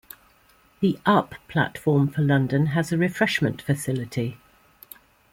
The up platform for London has a refreshment facility.